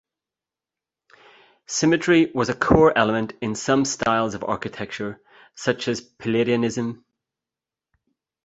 Symmetry was a core element in some styles of architecture, such as Palladianism.